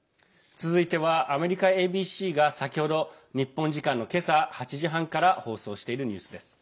続いては、アメリカＡＢＣが先ほど日本時間の今朝８時半から放送しているニュースです。